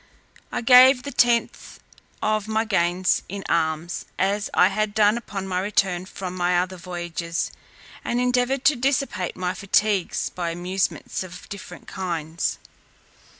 I gave the tenth of my gains in alms, as I had done upon my return from my other voyages, and endeavoured to dissipate my fatigues by amusements of different kinds.